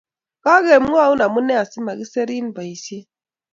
Kokemwoun amune asimakiserin boisiet